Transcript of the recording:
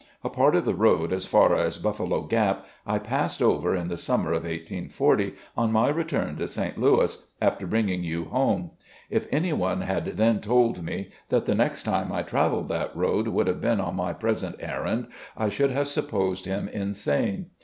A part of the road, as far as Buffalo Gap, I passed over in the summer of 1840, on my return to St. Louis, after bringing you home. If any one had then told me that the next time I travelled t^t road would have been on my present errand, I should have supposed him insane.